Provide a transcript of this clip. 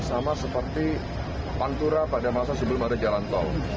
sama seperti pantura pada masa sebelum ada jalan tol